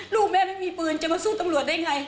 ลูกแม่ไม่มีปืนจะมาสู้ตำรวจได้ไง